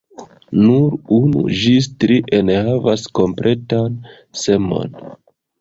Nur unu ĝis tri enhavas kompletan semon.